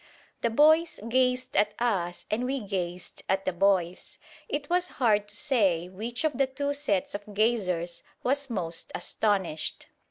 The boys gazed at us and we gazed at the boys; it was hard to say which of the two sets of gazers was most astonished.